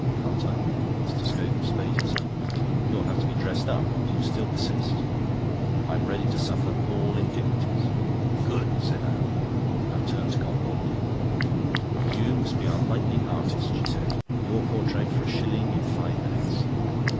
"Can't I?" Mr. Scogan surveyed himself. "You'll have to be dressed up. Do you still persist?" "I'm ready to suffer all indignities." "Good!" said Anne; and turning to Gombauld, "You must be our lightning artist," she said. "'Your portrait for a shilling in five minutes.